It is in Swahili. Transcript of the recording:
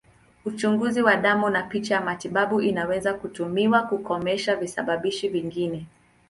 Uchunguzi wa damu na picha ya matibabu inaweza kutumiwa kukomesha visababishi vingine.